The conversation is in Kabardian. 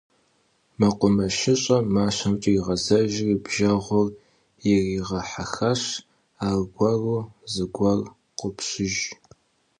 МэкъумэшыщӀэм мащэмкӀэ игъэзэжри, бжэгъур иригъэхьэхащ - аргуэру зыгуэр къопщыж.